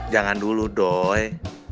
jangan dulu doi